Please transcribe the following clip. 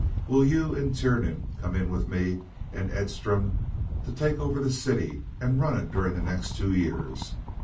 Will you and Tiernan come in with me and Edstrom to take over the city and run it during the next two years?